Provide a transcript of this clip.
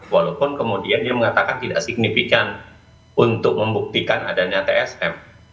walaupun kemudian dia mengatakan tidak signifikan untuk membuktikan adanya tsm